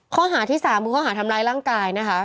ข้อหาที่๓คือข้อหาทำร้ายร่างกายนะคะ